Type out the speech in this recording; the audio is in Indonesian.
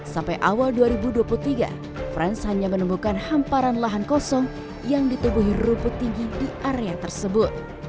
sampai awal dua ribu dua puluh tiga franz hanya menemukan hamparan lahan kosong yang ditubuhi rumput tinggi di area tersebut